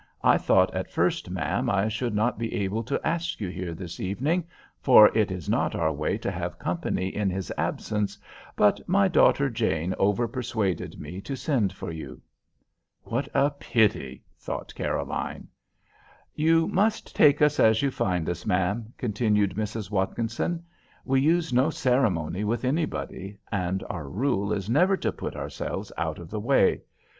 "I thought at first, ma'am, I should not be able to ask you here this evening, for it is not our way to have company in his absence; but my daughter Jane over persuaded me to send for you." "What a pity," thought Caroline. "You must take us as you find us, ma'am," continued Mrs. Watkinson. "We use no ceremony with anybody; and our rule is never to put ourselves out of the way.